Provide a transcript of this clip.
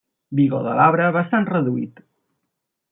Vigor de l'arbre bastant reduït.